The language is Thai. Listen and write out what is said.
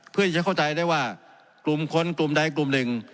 เพื่อจะเข้าใจได้ว่ากลุ่มคนกลุ่มใดกลุ่มหนึ่ง